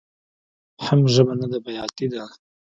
حم ژبه نده بياتي ده.